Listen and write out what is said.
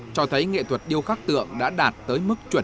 cho thấy nghệ thuật điêu khắc tượng đã đạt tới mức chuẩn